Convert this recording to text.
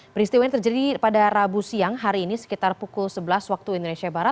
peristiwa ini terjadi pada rabu siang hari ini sekitar pukul sebelas waktu indonesia barat